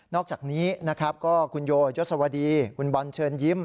อกจากนี้นะครับก็คุณโยยศวดีคุณบอลเชิญยิ้ม